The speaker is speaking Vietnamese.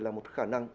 là một khả năng